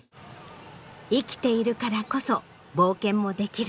「生きているからこそ冒険もできる」。